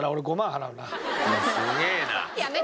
すげえな。